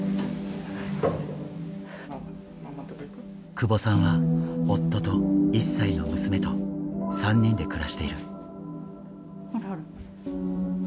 久保さんは夫と１歳の娘と３人で暮らしている。